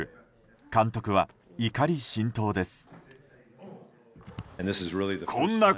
監督は怒り心頭です。